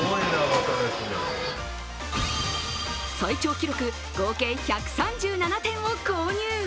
最長記録、合計１３７点を購入。